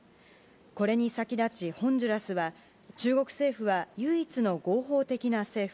これに先立ちホンジュラスは中国政府は唯一の合法的な政府。